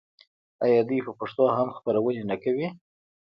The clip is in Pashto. آیا دوی په پښتو هم خپرونې نه کوي؟